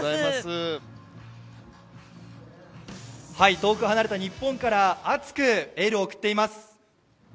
遠く離れた日本から熱くエールを送っています。